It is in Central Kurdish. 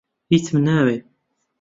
هیچم ناوێ.